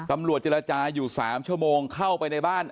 ตำรวจเจรจาอยู่๓ชั่วโมงเข้าไปในบ้าน